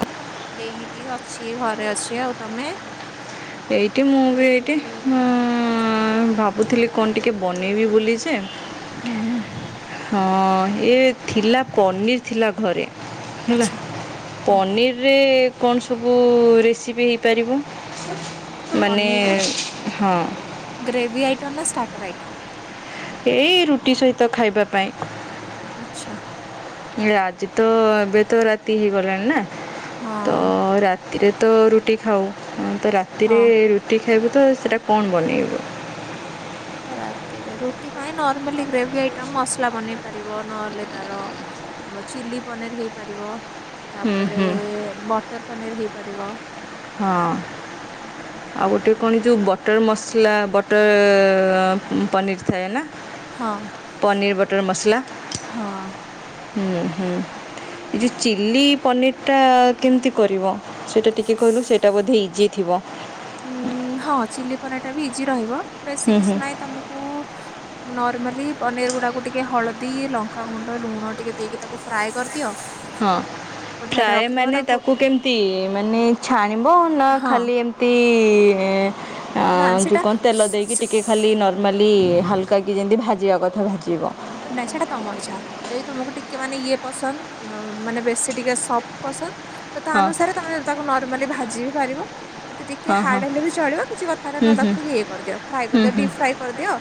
ହଁ କ ଏଇଠି ଅଛି ଘରେ ଅଛି ଆଉ ତମେ? ଏଇଠି ମୁଁ ବି ଏଇଠି ହୁଁ ଭାବୁଥିଲି କଣ ଟିକେ ବନେଇବି ବୋଲିଯେ ହୁଁ। ହଁ ଥିଲା ପନିର୍ ଥିଲା ଘରେ ହେଲା ଆଚ୍ଛା ହଁ ପନିର୍ ରେ କଣ ସବୁ ରେସିପି ହେଇପାରିବ? ମାନେ ପନିରରେ ହଁ ଗ୍ରେଭି ଆଇଟମ୍ ନା ଷ୍ଟାର୍ଟର ଆଇଟମ୍? ଏଇ ରୁଟି ସହିତ ଖାଇବା ପାଇଁ? ଆଚ୍ଛା ଆଜି ତ ଏବେ ତ ରାତି ହେଇଗଲାଣି ନା ହଁ ତ ରାତିରେ ତ ରୁଟି ଖାଉ ତ ରାତିରେ ହଁ। ରୁଟି ଖାଇବୁ ତ ସେଟା କଣ ବନେଇବୁ? ରାତିରେ ରୁଟି ପାଇଁ ନର୍ମାଲି ଗ୍ରେଭି ଆଇଟମ ମସଲା ବନେଇ ପାରିବ ନହେଲେ ତାର ଚିଲି ପନିର ହେଇପାରିବ ହୁଁ ତାପରେ ହୁଁ ବଟର ପନିର ହେଇପାରିବ। ହଁ। ଆଉ ଗୋଟେ କଣ ଯୋଉ ବଟର୍ ମସଲା ବଟର୍ ପନିର ଥାଏ ନା। ହଁ ପନିର ବଟର ମସଲା। ହଁ ହୁଁ ହୁଁ ଏ ଯୋଉ ଚିଲି ପନିର ଟା କେମିତି କରିବ ସେ କିଏ କହିଲୁ ସେଇଟା ବୋଧ ଇଜି ଥିବ। ଉଁ ହଁ ଚିଲି ପନିର ଟା ବି ଇଜି ରହିବ ବେଶୀ ହଁ କିଛି ନହିଁ ତମକୁ [inaudible] ନର୍ମାଲି ପନିର ଗୁଡାକୁ ଟିକେ ହଳଦୀ ଲଙ୍କାଗୁଣ୍ଡ ଲୁଣ ଟିକେ ଦେଇକି ତାକୁ ଫ୍ରାଏ କରିଦିଅ। ହଁ ଗୋଟେ ସାଇଡରେ ଫ୍ରାୟ ରଖିଦବ ମାନେ ତାକୁ କେମିତି ମାନେ ଛାଣିବ ନା ହଁ ଖାଲି ଏ ତି ଅ ନା ଯୋଉ ସେଟା କଣ ତେଲ ଦେଇକି ଟିକେ ଖାଲି ନର ମାଲି ହାଲକା କି ଯେମିତି ଭାଜିବା କଥା ଭାଜିବ। ନାଇଁ ସେଇଟା ତମ ଇଛା। ଯଦି ତମକୁ ଟିକେ ମାନେ ଇଏ ପସନ୍ଦ, ଅ ମାନେ ବେଶୀ ଟିକେ ସଫ୍ଟ ପସନ୍ଦ। ତ ତାହା ହଁ ଅନୁସାରେ, ତମେ ତାକୁ ନର୍ମାଲି ଭାଜି ବି ପାରିବ। ଏମିତି ଟିକେ ହଁ ହାର୍ଡ ହେଲେ ବି ଚଳିବ କିଛି କଥା ନାହିଁ। ନ ତାକୁ ଟିକେ ଇଏ କରିଦିଅ ଫ୍ରାଏ ହଁ କରିଦିଅ ଡିପ୍ ଫ୍ରାଏ କରିଦିଅ।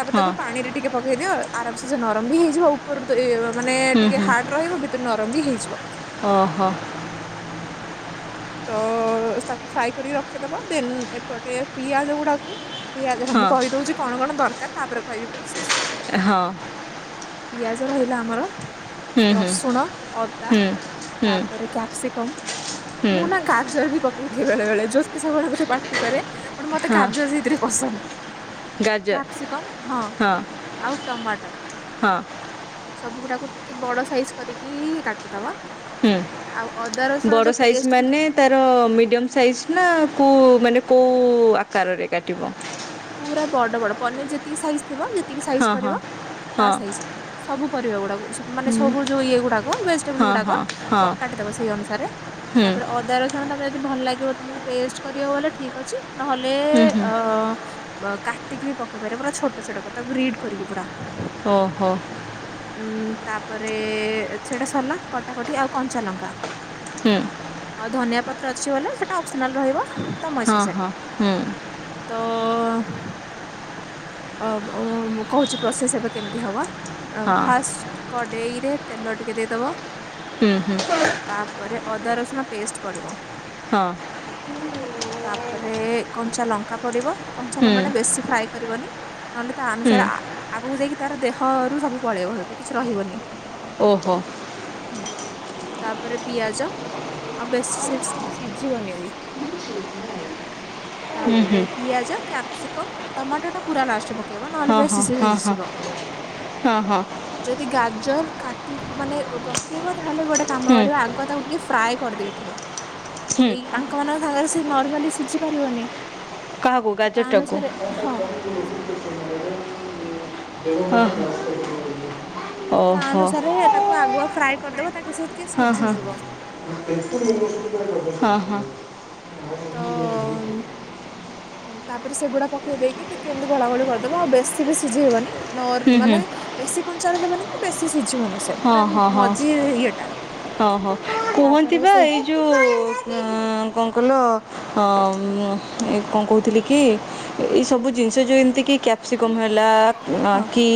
ତାପରେ ତାକୁ ପାଣିରେ ଟିକେ ପକେଇଦିଅ। ଆରାମ ସେ ସେ ନରମ ବି ହେଇଯିବ ଉପରୁ ତ ଏ ମାନେ ଟିକେ ହାର୍ଡ ରହିବ, ଭିତରୁ ନରମ ବି ହେଇଯିବ। ଓ ହୋ। ତ ତାକୁ ଫ୍ରାଏ କରିକି ରଖିଦବ। ଦେନ ଏପଟେ ପିଆଜ ଗୁଡାକୁ ପିଆଜ ହଁ ମୁଁ କହିଦଉଛି କଣ କଣ ଦରକାର, ତାପରେ କହିବି ପ୍ରୋସେସ। ହଁ। ପିଆଜ ରହିଲା ଆମର ହୁଁ ହୁଁ ରସୁଣ, ଅଦା ହୁଁ ହୁଁ ତାପରେ କ୍ୟାପ୍ସିକମ୍ ହୁଁ ମୁଁ ନା ଗାଜର ବି ପକେଇଦିଏ ବେଳେ ବେଳେ, ଜ୍ୟୋତି ସବୁବେଳେ ମତେ ପାଟି କରେ। ବଟ ମତେ ହଁ ଗାଜର ସେଇଥିରେ ପସନ୍ଦ। ଗାଜର କ୍ୟାପସିକମ୍ ହଁ ଆଉ ଟମାଟ। ହଁ ସବୁ ଗୁଡାକୁ ଟିକେ ବଡ ସାଇଜ କରିକି ହି କାଟିଦବା। ହୁଁ ଆଉ ଅଦା ରସୁଣ ବଡ଼ ଯୋଉ ସାଇଜ୍ ପେଷ୍ଟ ମାନେ ତାର ମିଡ଼ିୟମ ସାଇଜ୍ ନା କୋଉ ମାନେ କୋଉ ଆକାରରେ କାଟିବ? ପୁରା ବଡ ବଡ ପନିର ଯେତିକି ସାଇଜ ଥିବ, ଯେତିକି ସାଇଜ ହଁ ହଁ କରିବ। ତା ହଁ ସାଇଜର ସବୁ ପରିବା ଗୁଡାକୁ ମାନେ ସବୁ ଯୋଉ ଇଏ ଗୁଡାକ ଭେଜିଟେବୁଲ ହଁ ଗୁଡାକ ହଁ ହଁ କ କାଟିଦବ ସେଇ ଅନୁସାରେ, ହୁଁ ତାପରେ ହୁଁ ଅଦାର ସୁଣ ତମକୁ ଯଦି ଭଲ ଲାଗିବ, ତମକୁ ପେଷ୍ଟ କରିବ ବୋଲେ ଠିକ ଅଛି। ନହେଲେ ହୁଁ ଅ ବ କାଟିକି ବି ପକେଇ ପାରିବ, ପୁରା ଛୋଟ ଛୋଟ କ ତାକୁ ରିଡ କରିକି ପୁରା। ଓ ହୋ। ଉଁ ତାପରେ ସେଟା ସରିଲା କଟାକଟି, ଆଉ କଞ୍ଚା ଲଙ୍କା ହୁଁ। ଆଉ ଧନିଆ ପତ୍ର ଅଛି ବୋଲେ, ସେଇଟା ଅପସନାଲ ରହିବ। ହଁ- ହଁ- ହୁଁ। ଓ। ଅ- ଅ -ମୁଁ କହୁଛି ପ୍ରୋସେସ ଏବେ କେମିତି ହବ? ହଁ ଫାଷ୍ଟ କଡେଇରେ ତେଲ ଟିକେ ଦେଇଦବ ହୁଁ- ହୁଁ। ତାପରେ ଅଦା ରସୁଣ ପେଷ୍ଟ ପଡ଼ିବ। ହଁ। ତାପରେ କଞ୍ଚାଲଙ୍କା ପଡିବ। ହୁଁ କଞ୍ଚାଲଙ୍କାଟା ବେଶୀ ଫ୍ରାଏ କରିବନି, ନହେଲେ ତା ହୁଁ ଅନୁସାରେ ଆ ଆଗକୁ ଯାଇକି ତାର ଦେହରୁୁ ସବୁ ପଳେଇବ କିଛି ରହିବନି। ଓ ହୋ। ହୁଁ। ତାପରେ ପିଆଜ ଆଉ ବେଶୀ ସି ସି ସିଝିବନିି ବି। ହୁଁ ତାପରେ ହୁଁ ପିଆଜ, କ୍ୟାପସିକମ, ଟମାଟଟା ପୁରା ଲାଷ୍ଟରେ ପ ପକେଇବ ନହେଲେ ହଁ ହଁ ବେଶୀ ହଁ [unintelligible] ହଁ ଯିବ। ହଁ ହଁ ଯଦି ଗାଜର କାଟି ମାନେ ପକେଇବ, ତାହେଲେ ଗୋଟେ କାମ ହୁଁ କରିବ ଆଗ ତାକୁ ଟିକେ ଫ୍ରାଏ କରିଦେଇଥିବ, ହୁଁ ଏଇ ଆଙ୍କ ମାନଙ୍କ ସାଙ୍ଗରେ ନର୍ମାଲି ସିଝି ପାରିବନି। କାହାକୁ ତା ଗାଜରଟାକୁ? ଅନୁସାରେ ହଁ ହଁ। ତ ଓହୋ ତା ହଁ ହଁ ଅନୁସାରେ ତାକୁ ଆଗୁଆ ଫ୍ରାଏ କରିଦବ, ତାକି ସେ ଟିକେ ସିଝିଯିବ। ହଁ - ହଁ। ତ ତାପରେ ସେଗୁଡା ପକେଇ ଦେଇକି ଟିକେ ଏମିତି ଗୋଳା ଗୋଳି କରିଦବ, ଆଉ ବେଶୀ ବି ସିଝେଇ ବନି। ନର୍ ହୁଁ ମାନେ ବେଶୀ କଞ୍ଚାର ହେବନି କି ବେଶୀ ସିଝିବନି। ହଁ ପୁରା ହଁ ହଁ ମଝି ଇଏଟା ତାପରେ ସେଇ ଯୋଉଁ କଣ କଲ ହଁ ଏ କଣ କହୁଥିଲି କି ଏଇ ସବୁ ଜିନିଷ ଯୋଉ ଏମିତି କି୍ୟା କ୍ୟାସ୍ପିକମ୍ ହେଲା ହଁ କି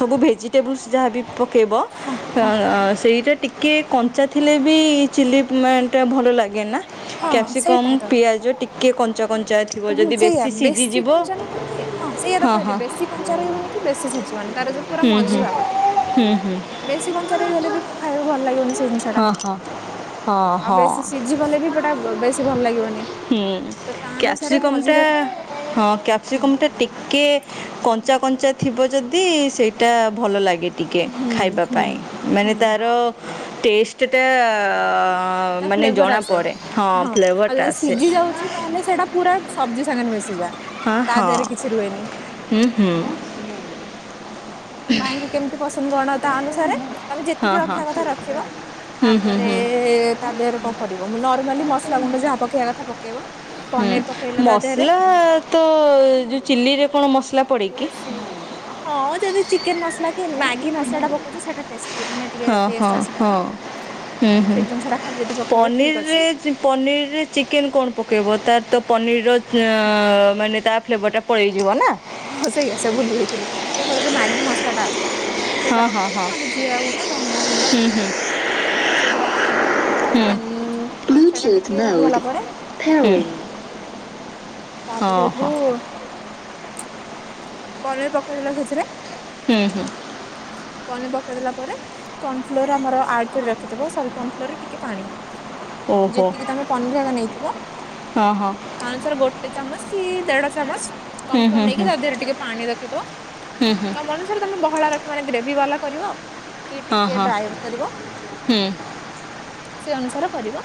ସବୁ ଭେଜିଟେବୁଲ୍ସ ଯାହାବ ପକାଇବ। ହଁ ସେଇଟା ଟିକେ କଞ୍ଚା ଥିଲେ ବି ଚିଲି ଟ ଭଲ ଲାଗେ ନା ହଁ କ୍ୟାପସିକମ୍ ସେଇଟା ପିଆଜ ଟିକେ କଞ୍ଚା କଞ୍ଚା ଅ ହୁଁ ସେଇୟା ବେଶୀ କଞ୍ଚା ନୁହଁ କି ହଁ ସେଇୟା ତ କହିଲେ ବେଶୀ କଞ୍ଚା ରହିବନି କି ବେଶୀ ସିଝିବନି ତାର ଯୋଉ ପୁରା ହୁଁ ମଝି ହୁଁ ଭାଗଟା। ହୁଁ ହୁଁ ବେଶୀ କଞ୍ଚା ରହିଗଲେ ବି ଖାଇକୁ ଭଲ ଲାଗିବନି ସେ ଜିନିଷ। ହଁ ହଁ। ହଁ ଆଉ ହଁ ବେଶୀ ସିଝି ଗଲେ ବି ପଟା ବେଶୀ ଭଲ ଲାଗିବନି ତ ତା ଅନୁ ସିକମ୍ ଟା ହଁ କ୍ୟାପ୍ସିକମ୍ ଟା ଟିକେ କଞ୍ଚା କଞ୍ଚା ଥିବ ଯଦି ସେଇଟା ଭଲ ଲାଗେ। ଟିକେ ହୁଁ ଖାଇବା ହୁଁ ପାଇଁ ମାନେ ହୁଁ ତାର ଟେଷ୍ଟଟା ତା ମାନେ ଫ୍ଲେଭର ଆସେ ଜଣାପଡ଼େ ହଁ ଆଉ ଫ୍ଲେଭରଟା ଯଦି ଆସେ। ସିଝି ଯାଉଛି ତାହେଲେ ସେଇଟା ପୁରା ସବଜି ସାଙ୍ଗରେ ମିଶିଯା। ହଁ ହଁ ହୁଁ ହୁଁ। ତ ଭାଇଙ୍କୁ କେମିତି ପସନ୍ଦ କରଣ ତା ଅନୁସାରେ? ତମେ ହଁ ଯେତିକି ହଁ ରଖିବା କଥା ରଖିବ ହୁଁ ହୁଁ ତାପରେ ହୁଁ ତା ଦେହରେ କଣ ପଡିବ ମୁ ନର୍ମାଲି ମସଲା ଗୁଣ୍ଡ ଯାହା ପକେଇବା କଥା ପକେଇବ ହୁଁ ପନିର ପକେଇଲା ତା ଦେହରେ। ମସଲା ତ ଯୋଉ ଚିଲ୍ଲିରେ କଣ ମସ ହଁ ଯଦି ଚିକେନ ମସଲା କି ମା ଏ ମସଲା ଟା ପକଉଛ ସେଟା ଟଷ୍ଟି ମାନେ ଟିକେ ହଁ ହଁ ଟେଷ୍ଟ ଆସେ ହଁ ତାର। ହୁଁ ହୁଁ ସେଇ ଜିନିଷ ଟା ଖାଲି ଯଦି ପକେଇବ ଠିକ୍ ଅଛି। ପନିରରେ ପନିରରେ ଚିକେନ କଣ ପକେଇବ ତାର ତ ପନିରର ମାନେ ତା ଫ୍ଲେଭରଟା ପଳେଇଯିବ ନା। ହଁ ସେଇଆ ସେ ଭୁଲି ଯାଇଥିଲି କେବଳ ଯୋଉ ମାଗି ମସଆ ଟା ଆସେ। ସେଇଟା ହଁ ହଁ ପକେଇବ ହଁ ନହେଲେ ଜିରା ଗୁଣ୍ଡ, ଧନିଆ ଗୁଣ୍ଡ। ହୁଁ ହୁଁ ସେଗୁଡା ପକେଇବ ଦେନ୍ ହୁଁ ସେଟା ଟିକେ ରହିଗଲା ପରେ ହୁଁ। ତାପରେ ହଁ ଏଠୁ ହଁ ପରେ ପକେଇଦେଲା ସେଥିରେ। ହୁଁ ହୁଁ। ପନି ପକେଇ ଦେଲା ପରେ କର୍ଣଫ୍ଲୋର ଆମର ଆଡ କରି ରଖିିବ ସରି କର୍ଣ ଫ୍ଲୋରରେ ଟିକେ ପାଣି। ଓହୋ ଯେତିକି ତମେ ପନିର ଆଗ ନେଇଥିବ। ହଁ ହଁ ତା ଅନୁସାରେ ଗୋଟେ ଚାମଚ କି ଦେଢ ଚାମଚ। ହୁଁ କନଫ୍ଲୋର ହୁଁ ନେଇକି ହୁଁ ତା ଦେହରେ ଟିକେ ପାଣି ରଖିଦବ ହୁଁ ହୁଁ ତମର ତମେ ବହଳା ରଖ ମାନେ ଗ୍ରେଭି ବାଲା କରିବ ଆକି ହଁ ଟିକେ ହଁ ଡ୍ରାଏ କରିବ। ହୁଁ ସେ ଅନୁସାରେ କରିବ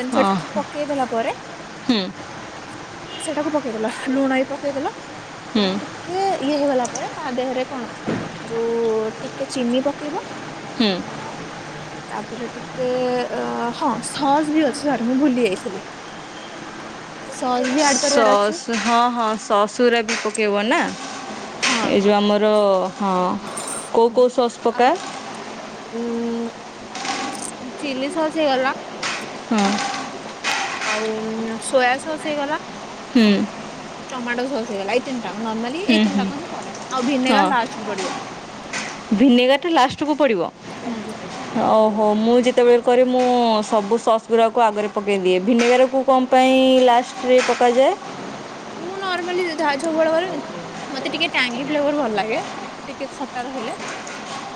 ଦେନ ହଁ ସେଠାକୁ ପକେଇ ଦେଲା ପରେ ହୁଁ। ସେଟାକୁ ପକେଇଦେଲା ଲୁଣ ବି ପକେଇଦେଲା ସେଟା ଟିକେ ଇଏ ହେଇଗଲା ପରେ ତା ଦେହରେ କଣ ଯୋଉ ଟିକେ ଚିନି ପକେଇବ ହୁଁ [inaudible] ତାପରେ ଟିକେ ଅ ହଁ ସସ୍ ବି ଅଛି ସାର୍ ମୁଁ ଭୁଲି ଯାଇଥିଲି। ସସ୍‌ ବି ଆ ସସ୍ ହଁ ହଁ ସସ୍‌ ଗୁରା ବି ପକାଇବ ନା ହଁ ଏ ଯୋଉ ଆମର ହଁ କୋଉ ହୁଁ କୋଉ ସସ୍ ଆଉ ପକା? ଉଁ ଚିଲି ସସ୍ ହେଇଗଲା ହଁ। ଆଉ ସୋୟା ସସ୍ ହେଇଗଲା। ହୁଁ। ଟମାଟୋ ସସ୍ ହେଇଗଲା ଏଇ। ତିନି ଟା ଯାଙ୍କ ନର୍ମାଲି ହୁଁ ଏଇତିନି ହୁଁ ଟା ଯାଙ୍କ ହିଁ ପଡେ ଆଉ ହଁ ଭିନେଗାର ଲାଷ୍ଟକୁ ପଡିବ। ଭିନେଗାର ଟା ଲାଷ୍ଟକୁ ପଡ଼ିବ। ହୁଁ ଓହୋ ମୁଁ ଯେତେବେଳେ କରେ ମୁଁ ସବୁ ସସ୍ ଗୁଡ଼ାକୁ ଆଗରେ ପକାଇଦିଏ ଭିନେଗାରକୁ କମ୍ ପାଇଁ ଲାଷ୍ଟରେ ପକାଯାଏ? ମୁଁ ନର୍ମାଲି [unintelligible] କରେନି। ମତେ ଟିକେ ଟାଙ୍ଗି ଫ୍ଲେର ଭଲ ଲାଗେ ଟିକେ ଖଟା ରହିଲେ।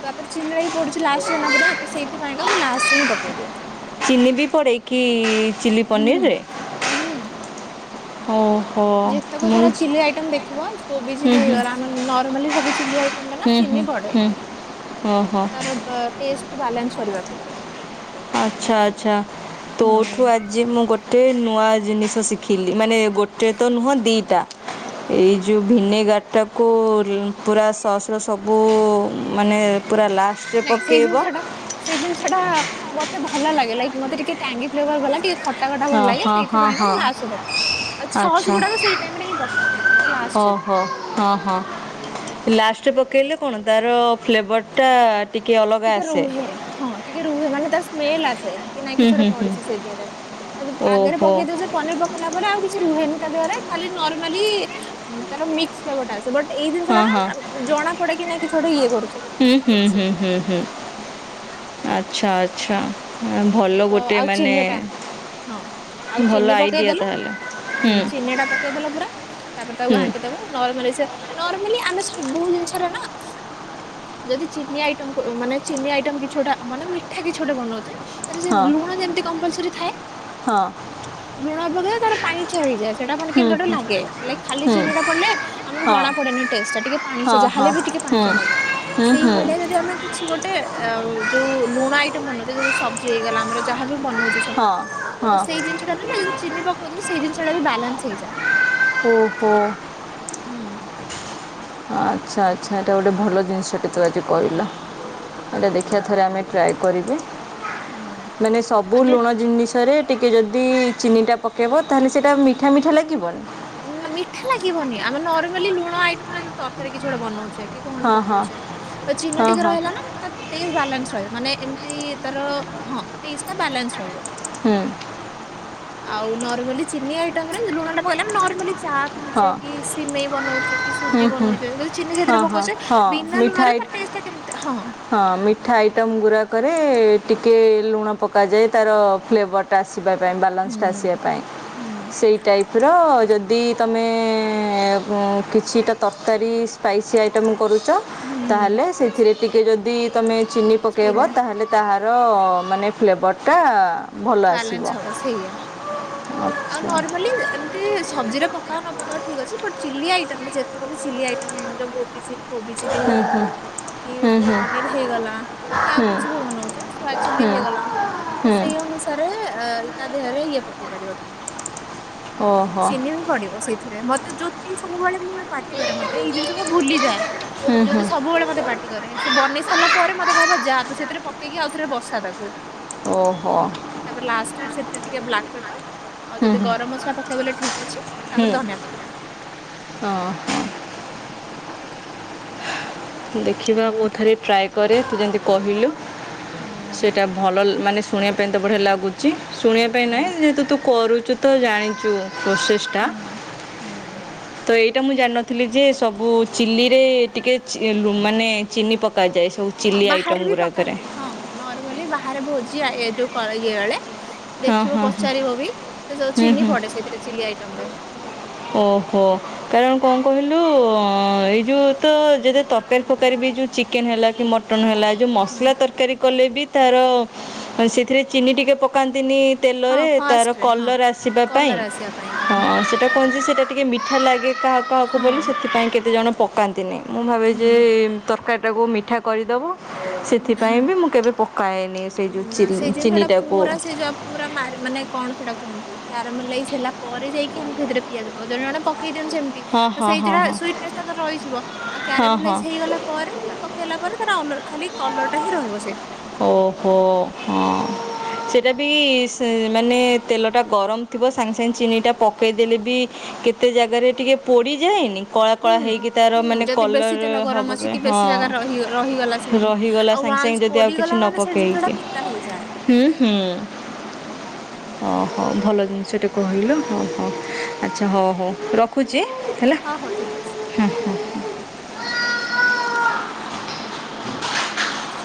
ତାପରେ ଚିିନି ଟା ବି ପଡୁଛି ଲାଷ୍ଟ ରେ ନା ପୁରା ତ ସେଇଥିପାଇଁକା ମୁଁ ଲାଷ୍ଟରେ ହିଁ ପକେଇଦିଏ। ଚିନି ବି ପଡେକି ଚିଲି ହୁଁ ପନିରରେ? ହୁଁ ହଉ। ଯେତେକ ସାରା ଚିଲି ଆଇଟମ ଦେଖିବ କୋବି ହୁଁ ଚିଲି ହୁଁ ହେଇଗଲା ନର୍ମାଲି ସବୁ ଚିଲି ଆଇଟମ ଟା ନା ହୁଁ ହୁଁ ଚିନି ପଡେ। ହୁଁ ହୋ ହୋ। ତ ଟେଷ୍ଟକୁୁ ବାଲାନ୍ସ କରିବାକୁ। ଆଚ୍ଛା ଆଚ୍ଛା ହୁଁ। ତୋଠୁ ଆଜି ମୁଁ ଗୋ ଟେ ନୂଆ ଜିନିଷ ଶିଖିଲି ମାନେ ଗୋଟେ ତ ନୁହଁ ଦିଟା। ଏଇ ଯୋଉ ଭିନେଗାର ଟାକୁ ଅ ପୁରା ସସ୍ ର ସବୁ ମାନେ ପୁରା ଲାଷ୍ଟରେ ନାଇଁ ସେଇ ପକେଇବ। ଜିନିଷ ଟା ସେଇ ଜିନିଷ ଟା ମତେ ଭଲ ଲାଗେ ଲାଇକ୍ ମତେ ଟିକେ ଟାଙ୍ଗି ଫ୍ଲେଭର ଭଲ ଲାଗେ ଟିକେ ଖ ପାଗ ଟା ଭଲ ହଁ ଲାଗେ ହଁ ହଁ ସେଇଥିପାଇଁକା ହଁ ମୁଁ ଲାଷ୍ଟ ରେ ପକାଏ ଆଉ ସସ୍ ଆଚ୍ଛା ଗୁଡା ସେଇ ଟାଇମରେ ହିଁ ପକାଏ ପୁରା ଲାଷ୍ଟ ରେ। ହଁ ହଁ ହଁ ଲାଷ୍ଟରେ ପକେଇଲେ କଣ ତାର ଫ୍ଲେଭରଟା ଟିକେ ଅଲଗା ଆସେ। ହଁ। ଟିକେ ରୁହେ ମାନେ ତାର ସ୍ମେଲ ଆସେ କି ନାଇଁ ହୁଁ କିଛି ଗୋଟେ ହୁଁ ହୁଁ ପଡିଛି ସେଇଥିରେ ଆଉ ଆଗରେ ଓହୋ ପକେଇ ଦଉଛେ ସେ ଟିକ୍ ପନିର ପକେଇଲା ପରେ ଆଉ କିଛି ରୁହେନି ତା ଦେହରେ ଖାଲି ନର୍ମାଲି ତାର ମିକ୍ସ ଫ୍ଲେଭର୍ ଟା ଆସେ। ବଟ୍ ଏଇ ଜିନିଷ ଟା ହଁ ନା ହଁ ଆ ଜଣା ପଡେ କି ନାଇ କିଛି ଗୋଟେ ଇଏ କରୁ ହୁଁ ହୁଁ ହୁଁ ହୁଁ ହୁ ଆଛା ଆଛା ଅ ଭଲ ତ ଗୋଟେ ଆଉ ମାନେ ଚିନି ଟା ଆଉ ଭଲ ଚିନି ଆଇଡ଼ିଆ ପକେଇଦେଲ। ତାହେଲେ ହୁଁ ଚିନି ଟା ପକେଇଦଲ ପୁରା ତାପରେ ତାକୁ ହୁଁ ଘାଣ୍ଟି ଦବ ନରମାଲି ସେ ନର୍ମାଲି ଆମେ ସବୁ ଜିନିଷରେ ନା ଯଦି ଚିନି ଆଇଟମ କୁ ମାନେ ଚିନି ଆଇଟମ କିଛି ଗୋଟେ ମାନେ ମିଠା କିଛି ଗୋଟେ ବନଉଛେ ତାରି ଯୁ ହଁ ଲୁଣ ଯେମିତି କପଲସରି ଥାଏ ହଁ ଲୁଣରେ ତାର ପାଣି ହେଇଯାଏ ସେଟା ମାନେ ହୁଁ କେମିତି ଗୋଟେ ହୁଁ ଲାଗେ ଲାଇକ୍ ଖାଲି ହୁଁ ଚିନିଟା ପଡିଲେ ଆମକୁ ହଁ ଜଣା ପଡେନି ଟେଷ୍ଟ ଟା ଟିକେ ପାଣିଚିଆ ହଁ ସେ ଯାହେଲେ ହଁ ବି ଟିକେ ହୁଁ ପାଣିଚିଆ ଲାଗେ ହୁଁ ହୁଁ ସେଇଭଳିଆ ଯଦି ଆମେ କିଛି ଗୋଟେ ଅ ଯୋଉ ଲୁଣ ଆଇଟମ ବନଉଛେ ଯୋଉ ସବଜି ହେଇଗଲା ଆମର ଯାହା ବି ବନଉଛେ ହଁ ତ ହଁ ସେଇ ଜିନିଷଟାରେ ନା ଯଦି ଚିନି ପକଉଛେ ସେଇ ଜିନିଷ ଟା ବି ବାଲାନ୍ସ ହେଇଯାଏ। ଓ ହୋ। ହୁଁ। ଆଚ୍ଛା ଆଚ୍ଛା ଏଇଟା ଗୋଟେ ଭଲ ଜିନିଷଟେ ତୁ ଆଜି କହିଲୁ। ଟା ଦେଖିବା ଥରେ ଆମେ ଟ୍ରାଏ କରିବି ହୁଁ ମାନେ ସବୁ ଆଉ ଯେ ଲୁଣ ଜିନିଷରେ ଟିକେ ଯଦି ଚିନିଟା ପକେଇବ ତାହେଲେ ସେଇଟା ମିଠା ମିଠା ଲାଗିବନି? ନା ମିଠା ଲାଗିବନି ଆମେ ନର୍ମାଲି ଲୁଣ ଆଇଟମ ତରକାରୀ କିଛି ଗୋଟେ ବନଉଛେ କି କଣ ଗୋଟେ ହଁ ହଁ ପକଉଚେ ଆ ଚିନି ହଁ ଟିକେ ହଁ ରହିଲା ନା। ତା ଟେଷ୍ଟ ବାଲାନ୍ସ ରହିବ ମାନେ ଏମତି ତାର ହଁ ଟେଷ୍ଟ ଟା ବାଲାନ୍ସ ରହିବ। ହୁଁ। ଆଉ ନର୍ମାଲି ଚିନି ଆଇଟମ ରେ ଲୁଣ ଟା ପକେଇଲେ ନରମାଲି ଚା ହଁ ପିଉଚେ କି ସିମେଇ ବନଉଛେ କି ହୁଁ ସୁଜି ହୁଁ ବନଉଛେ ଯି ଚିନି ସେଥିରେ ହଁ ହଁ ପକଉଛେ ହଁ ବିନା ମିଠା ଲୁଣରେ ଆଇ- ତାର ଟେ ଟେଷ୍ଟ ଟା କେମିତି ହଁ। ହଁ ମିଠା ଆଇଟମ୍ ଗୁଡ଼ାକରେ ଟିକେ ଲୁଣ ପକାଯାଏ ତାର ଫ୍ଲେଭର୍ ଆସିବା ପାଇଁ ବାଲାନ୍ସ ଟା ହୁଁ ଆସିବା ପାଇଁ ସେଇ ଟାଇପ୍ ର ଯଦି ତମେ କିଛିଟା ତରକାରୀ ସ୍ପାଇସି ଆଇଟମ୍ କରୁଚ? ହୁଁ। ଟିକଏ ଯଦି ତୁମେ ଚିନି ପକାଇବ ହୁଁ ତାହେଲେ ତାହାର ମାନେ ଫ୍ଲେଭର୍ଟା ବାଲାନ୍ସ ହବ ସେଇଆ ଆଉ ଆଚ୍ଛା ନର୍ମାଲି ଏମ୍ ଏ ସବଜିରେ ପକାଅ ନ ପକାଉ ଠିକ ଅଛି, ବଟ ଚିଲି ଆଇଟମ ଯେତକ ବି ଚିଲି ଆଇଟମ [unintelligible] ଗୋବି ଚିଲି କୋବି ଚିଲି ହେଇଗଲା। କି ହୁଁ ହୁଁ ପନିର ହେଇଗଲା କି ଆଉ କିଛି ବି ବନଉଛ ସୋୟା ହୁଁ ଚିଲି ହୁଁ ହେଇଗଲା। ତ ସେଇ ଅନୁସାରେ ଇ ୟା ଦେହରେ ଇଏ ପକେଇ ପାରିବ ତମେ, ହୁଁ ଓହୋ ଚିନି ପିଡିବ ସେଇଥିରେ ମତେ ଜୋତି ସବୁବେଳେ ମୁଁ ପା କରେ ମତେ ଏଇ ଜିନିଷବୁ ଭୁଲିଯାଏ ହୁଁ ହୁଁ ଯଦି ସବୁବେଳେ ମତେଟି ରେ ସେ ବନେଇ ସାରିଲା ପରେ ମତେ କହିବ ଯାହା ତୁ ସେଥିରେ ପକେଇକି ଆଉ ଥରେ ବସା ତାକୁ। ଓହୋ। ତାପରେ ଲାଷ୍ଟ ରେ ସେଥିରେ ଟିକେ ବ୍ଲାକ୍ ପେପର। ଆଉ ହୁଁ ଯଦି ହୁଁ ଗରମ ମସଲା ପକେଇବେଲେ ଠିକ ଅଛି ହୁଁ ତାପରେ ଧନିଆ ପତ୍ର। ହଁ। ଦେଖିବା ମୁଁ ଥରେ ଟ୍ରାଏ କରେ ତୁ ଯେମିତି କହିଲୁ ହୁଁ। ସେଇଟା ଭଲ ମାନେ ଶୁଣିବା ପାଇଁ ତ ବଢ଼ିଆ ଲାଗୁଚି, ଶୁଣିବା ପାଇଁ ନାହିଁ ହୁଁ ଯେହେତୁ ତୁ କରୁଚୁ ତ ଜାଣିଚୁ ପ୍ରୋସେସ ଟା ହୁଁ ହୁଁ। ତ ଏଇଟା ମୁଁ ଜାଣିନି ଥିଲି ଯେ ସବୁ ଚିଲିରେ ଟିକେ ଚି ମାନେ ଚିନି ପକାଯାଏ ସବୁ। ହଁ ଚିଲ୍ଲି ଆଇଟମ୍ ବାହାରେ ବି ଗୁଡ଼ାକରେ ପକାନ୍ତି ହଁ ନର୍ମାଲି ବାହାରେ ଭୋଜି ଏ ଯୋଉ ଇଏ ବଳେ ହଁ ଦେଖିବ ହଁ ହଁ ପଚାରିବ ବି ସେ ଯୋଉ ହୁଁ ଚିନି ହୁଁ ପଡେ ସେଇଥିରେ ଚିଲି ଆଇଟମ ରେ। ଓହୋ। କାରଣ କଣ କହିଲୁ ଏଇ ଯୋଉ ତ ଯଦେ ତକାରୀ ଫକାରୀ ବି ଯୋଉ ଚିକେନ ହେଲା କି ମ ମଟନ ହେଲା ଯେଉଁ ହୁଁ। ମସଲା ତରକାରୀ କଲେ ବି ତାର ସେଥିରେ ଚିନି ଟିକେ ପକାନ୍ତିନି। ହଁ ତେଲରେ ତାର ଫାଷ୍ଟରେ ହଁ କଲର୍ ଆସିବା ପାଇଁ। କଲର ଆସିବା ପାଇଁକା ହଁ ସେଟା କୁହନ୍ତି ସେଇଟା ଟିକେ ମିଠା ଲାଗେ କାହା କାହାକୁ ବୋଲି ହଁ। ସେଥିପାଇଁ କେତେ ଜଣ ପ ପକାନ୍ତି ନାହିଁ ମୁଁ ଭାବେ ଯେ ହୁଁ। ତରକାରୀଟାକୁ ମିଠା କରିଦବ। ହଁ ସେଥିପାଇଁ ବି ମୁଁ କେବେ ପକାଏନି ସେ ଯେଉଁ ନା ଚିଲି ସେଇ ଜିନିଷ ଟା ଚିନିଟାକୁ। ପୁରା ସେ ଯ ପୁରା ମ ମାନେ କଣ ସେଟା କୁହନ୍ତି କ୍ୟାମଲାଇଜ୍ ହେଲା ପରେ ଯାଇକି ଆମେ ସେଥିରେ ପିଆଜ ପକଉ ଜଣେ ଜେ ପକେଇ ଦିଅନ୍ତି ସେମିତ ହଁ ତ ହଁ ହଁ ସେଇଥିଟା ହଁ ସୁଇଟନେସ୍ ଟା ତ ରହିଯିବ ଆଉ ହଁ ହଁ କ୍ୟାମଲାଇଜ ହେଇଗଲା ପରେ ତା ପକେଇଲା ପରେ [unintelligible] ଖାଲି କଲରଟା ହି ରହିବ ସେଇଥିରେ। ଓହୋ ହଁ ସେଇଟା ବି ସେ ମାନେ ତେଲଟା ଗରମ ଥିବ ସାଙ୍ଗେ ସାଙ୍ଗେ ଚିନିଟା ପକାଇଦେଲେ ବି କେତେ ଜାଗାରେ ଟିକେ ପୋଡ଼ିଯାଏନି? କଳା ହୁଁ କଳା ହେଇକି ତାର ହୁଁ ମାନେ ଯଦି ବେଶୀ କଲର୍ ତେଲ ହବ ଗରମ ଅଛି ପାଇଁ କି ବେଶୀ ହଁ ଜାଗାରେ ରହି ରଖି ଗଲା। ରହିଗଲା ଆଉ ସାଙ୍ଗେ ସାଙ୍ଗେ ୱାନ୍ସ ଯଦି ପୋଡିଗଲା ମାନେ ସେ ଜିନିଷ ଟା ପିତା ହେଇଯାଏ। ହୁ ହଁ ହଁ ଭଲ ଜିନିଷଟା କହିଲ ହଁ ହଁ। ଆଚ୍ଛା ହଉ ହଉ ରଖୁଚି ହେଲା ହଁ ହଉ ଠିକ ଅଛି। ହଁ ହଁ। ହଁ।